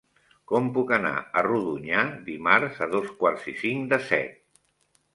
Com puc anar a Rodonyà dimarts a dos quarts i cinc de set?